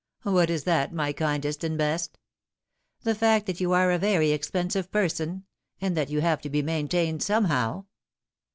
" What is that, my kindest and best ?"" The fact that you are a very expensive person, and that you have to be maintained somehow."